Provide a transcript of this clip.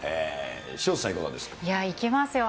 潮田さん、いや、行きますよ。